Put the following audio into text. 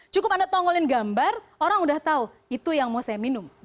cukup anda tonggolin gambar orang udah tahu itu yang mau saya minum